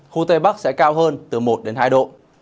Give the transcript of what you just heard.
khu tây bắc sẽ cao hơn từ một đến hai độ